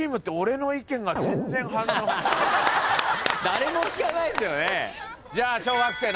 誰も聞かないっすよね。